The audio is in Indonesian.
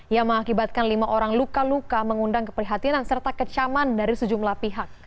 yang mengakibatkan lima orang luka luka mengundang keprihatinan serta kecaman dari sejumlah pihak